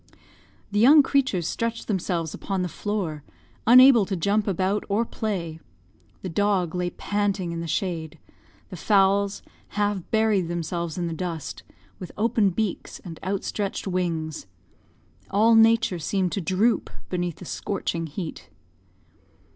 The young creatures stretched themselves upon the floor, unable to jump about or play; the dog lay panting in the shade; the fowls half buried themselves in the dust, with open beaks and outstretched wings; all nature seemed to droop beneath the scorching heat.